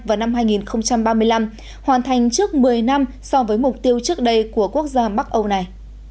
vào năm hai nghìn ba mươi năm hoàn thành trước một mươi năm so với mục tiêu trước đây của quốc gia bắc âu này